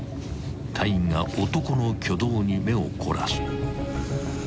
［隊員が男の挙動に目を凝らす］